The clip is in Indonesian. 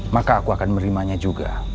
maka aku akan menerimanya juga